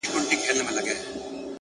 • پر هر ګام باندي لحد او کفن زما دی,